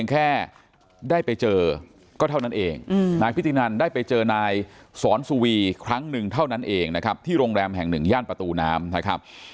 นายพิธินันได้ไปเจอนายศรสุวีครั้งหนึ่งเท่านั้นเองนะครับที่โรงแรมแห่งหนึ่งย่านประตูน้ำนะครับ